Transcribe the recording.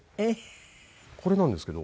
これなんですけど。